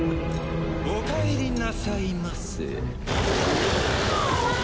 おかえりなさいませ。